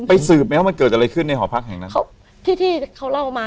สืบไหมว่ามันเกิดอะไรขึ้นในหอพักแห่งนั้นครับที่ที่เขาเล่ามา